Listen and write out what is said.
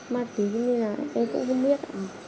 ma túy như thế nào em cũng không biết